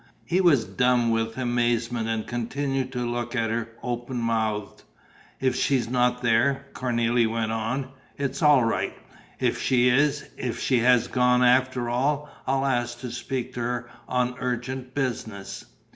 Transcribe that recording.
He was dumb with amazement and continued to look at her open mouthed. "If she's not there," Cornélie went on, "it's all right. If she is, if she has gone after all, I'll ask to speak to her on urgent business."